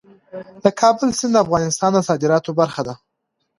د کابل سیند د افغانستان د صادراتو برخه ده.